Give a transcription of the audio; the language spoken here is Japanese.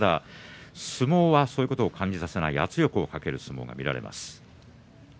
相撲はそういうことを感じさせない圧力をかける相撲が見られます。